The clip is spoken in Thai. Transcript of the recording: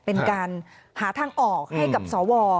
เป็นการหาทางออกให้กับสว